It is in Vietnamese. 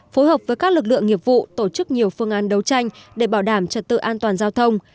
phối hợp với các lực lượng nghiệp vụ tổ chức nhiều phương án đấu tranh để bảo đảm trật tự an toàn giao thông